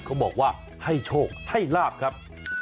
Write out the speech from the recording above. เขาบอกว่าให้โชคให้ลาบครับ